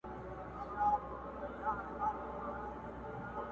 دعا ګوی وي د زړو کفن کښانو؛؛!